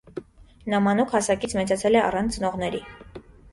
Նա մանուկ հասակից մեծացել է առանց ծնողների։